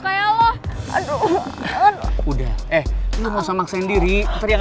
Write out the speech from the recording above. pelan pelan pelan pelan pelan pelan